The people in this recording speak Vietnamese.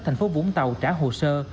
thành phố vũng tàu trả hồ sơ